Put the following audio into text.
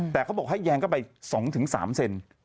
แต่เขาบอกให้แยงเข้าไป๒๓เซน